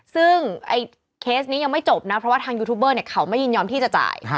ซึ่งเคสนี้ยังไม่จบนะเพราะว่าทางยูทูบเบอร์เขาไม่ยินยอมที่จะจ่าย